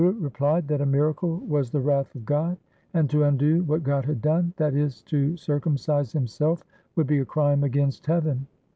The Guru replied that a miracle was the wrath of God j and to undo what God had done, that is, to circumcise himself would be a crime against heaven.